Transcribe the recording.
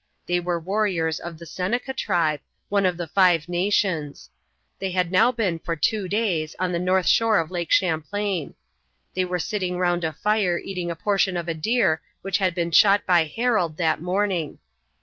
They were warriors of the Seneca tribe, one of the Five Nations. They had now been for two days on the north shore of Lake Champlain. They were sitting round a fire eating a portion of a deer which had been shot by Harold that morning.